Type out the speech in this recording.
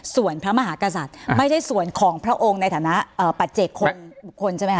ส่วนพระมหากษัตริย์ไม่ใช่ส่วนของพระองค์ในฐานะปัจเจกคนบุคคลใช่ไหมค